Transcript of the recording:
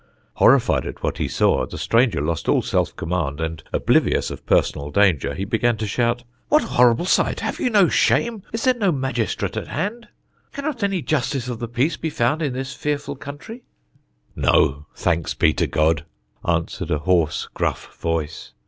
Horrified at what he saw, the stranger lost all self command, and, oblivious of personal danger, he began to shout, "What a horrible sight! Have you no shame? Is there no magistrate at hand? Cannot any justice of the peace be found in this fearful country?" "No; thanks be to God," answered a hoarse, gruff voice.